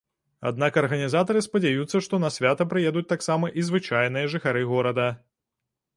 Аднак арганізатары спадзяюцца, што на свята прыедуць таксама і звычайныя жыхары горада.